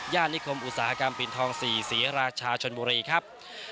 ย่านนิคมอุตสาหกรรมปีนทอง๔สีราชชนบุรีครับ